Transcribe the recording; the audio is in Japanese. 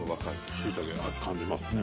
しいたけ味感じますね。